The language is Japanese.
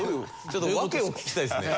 ちょっと訳を聞きたいですね。